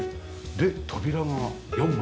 で扉が４枚。